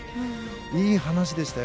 いい話でしたよ。